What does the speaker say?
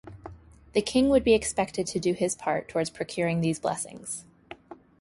The king would be expected to do his part towards procuring these blessings.